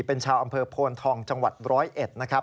เป็นชาวอำเภอโพนทองจังหวัด๑๐๑นะครับ